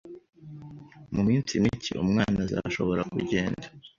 Mu minsi mike, umwana azashobora kugenda